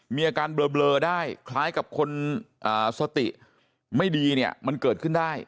มีอาการเบลอได้คล้ายกับคนสติไม่ดีเนี่ยมันเกิดขึ้นได้